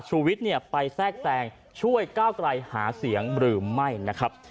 ชูวิตไปแซ่กแสงช่วยก้าวไกลหาเสียงหรือไม่นะครับ